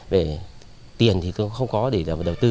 về tiền thì cũng không có để là đầu tư